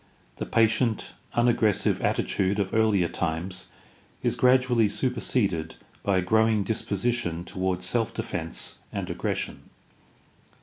The patient unaggressive attitude of earlier times is gradually superseded by a growing disposition toward self defense and aggression.